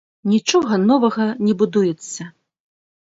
Нічога новага не будуецца.